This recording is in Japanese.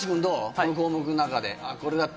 この項目の中であっ